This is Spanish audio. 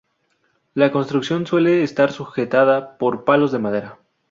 La construcción suele estar sujetada por palos de madera.